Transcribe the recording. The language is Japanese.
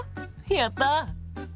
やった！